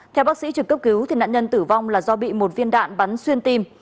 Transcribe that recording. theo bác sĩ trực cấp cứu nạn nhân tử vong là do bị một viên đạn bắn xuyên tim